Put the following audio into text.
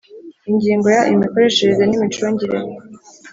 Ingingo ya Imikoreshereze n imicungire